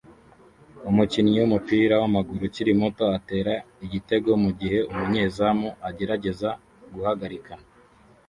Umukinnyi wumupira wamaguru ukiri muto atera igitego mugihe umunyezamu agerageza guhagarika